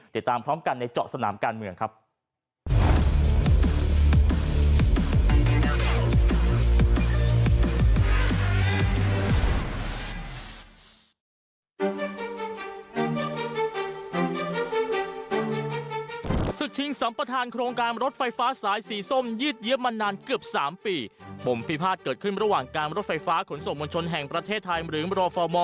ติดตามพร้อมกันในเจาะสนามการเมืองครับ